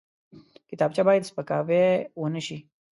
کتابچه باید سپکاوی ونه شي